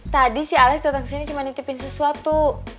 tadi sih alex datang ke sini cuma nitipin sesuatu